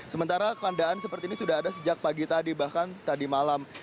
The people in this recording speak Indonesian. sementara kandaan seperti ini sudah ada sejak pagi tadi bahkan tadi malam